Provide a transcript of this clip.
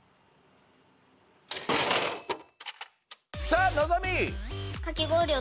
さあのぞみ！